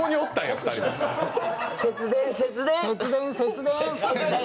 節電、節電。